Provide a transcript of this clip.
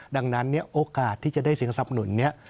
ดังนั้นโอกาสที่จะได้สินค้าสนับหนุนนี้